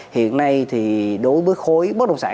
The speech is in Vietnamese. hiện nay thì đối với khối bất động sản